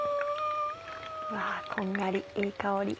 わこんがりいい香り。